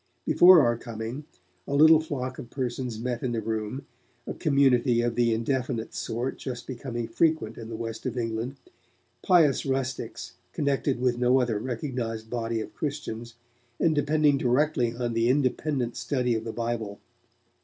Before our coming, a little flock of persons met in the Room, a community of the indefinite sort just then becoming frequent in the West of England, pious rustics connected with no other recognized body of Christians, and depending directly on the independent study of the Bible.